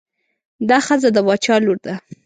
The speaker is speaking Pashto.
دا ښځه د باچا لور ده.